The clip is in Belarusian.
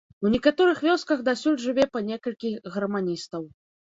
У некаторых вёсках дасюль жыве па некалькі гарманістаў.